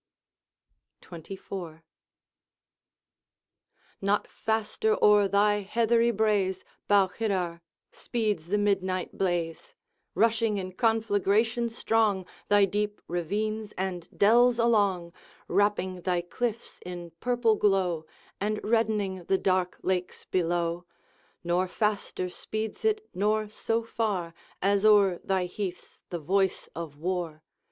XXIV. Not faster o'er thy heathery braes Balquidder, speeds the midnight blaze, Rushing in conflagration strong Thy deep ravines and dells along, Wrapping thy cliffs in purple glow, And reddening the dark lakes below; Nor faster speeds it, nor so far, As o'er thy heaths the voice of war.